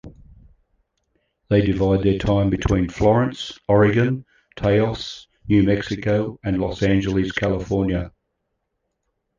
They divide their time between Florence, Oregon; Taos, New Mexico; and Los Angeles, California.